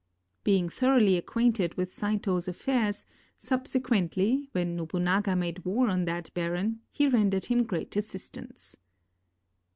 Being thoroughly acquainted with Saito's affairs, subse quently, when Nobunaga made war on that baron, he rendered him great assistance.